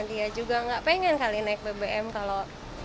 dia juga nggak pengen kali naik bbm kalau